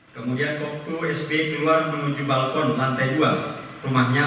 kemudian kop dua sb keluar menuju balkon lantai dua rumahnya